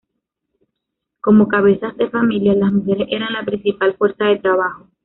Como cabezas de familia, las mujeres eran la principal fuerza de trabajo.